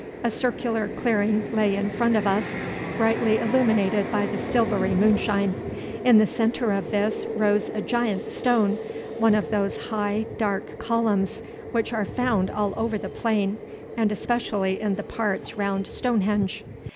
A circular clearing lay in front of us, brightly illuminated by the silvery moonshine. In the centre of this rose a giant stone, one of those high dark columns which are found all over the plain, and especially in the parts round Stonehenge.